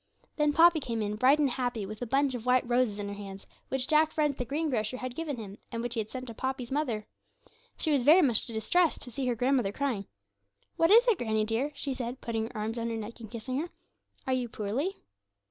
Then Poppy came in, bright and happy, with a bunch of white roses in her hands, which Jack's friend the greengrocer had given him, and which he had sent to Poppy's mother. She was very much distressed to see her grandmother crying. 'What is it, granny, dear?' she said, putting her arms round her neck, and kissing her; 'are you poorly?'